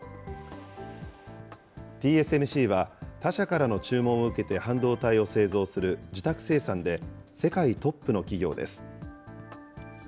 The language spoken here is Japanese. ＴＳＭＣは、他社からの注文を受けて半導体を製造する受託生産で、世界トップの企業です。